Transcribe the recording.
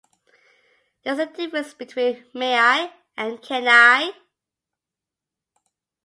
There's a difference between "may I" and "can I".